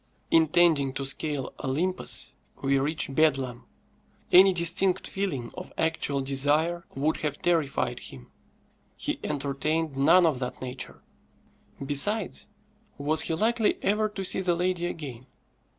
Intending to scale Olympus, we reach Bedlam; any distinct feeling of actual desire would have terrified him. He entertained none of that nature. Besides, was he likely ever to see the lady again?